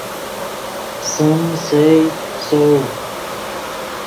سیم، سئے، سؤ